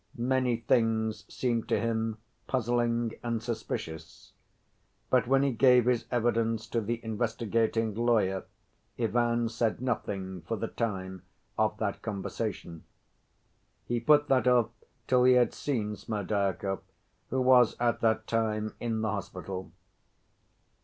Many things seemed to him puzzling and suspicious. But when he gave his evidence to the investigating lawyer Ivan said nothing, for the time, of that conversation. He put that off till he had seen Smerdyakov, who was at that time in the hospital.